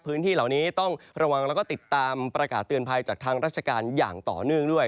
พื้นที่เหล่านี้ต้องระวังแล้วก็ติดตามประกาศเตือนภัยจากทางราชการอย่างต่อเนื่องด้วย